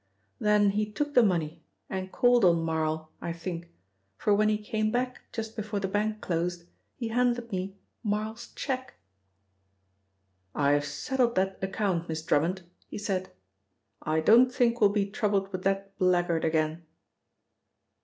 Then he took the money and called on Marl, I think, for when he came back just before the bank closed he handed me Marl's cheque." "'I've settled that account, Miss Drummond,' he said. 'I don't think we'll be troubled with that blackguard again.'"